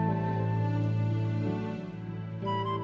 bukan dia pencuri yang kalian maksud